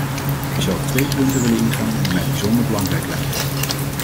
Ik zou op twee punten willen ingaan die mij bijzonder belangrijk lijken.